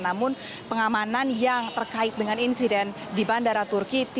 namun pengamanan yang terkait dengan insiden di bandara turki